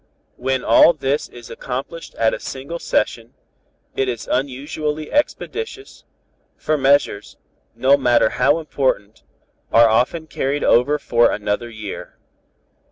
"When all this is accomplished at a single session, it is unusually expeditious, for measures, no matter how important, are often carried over for another year.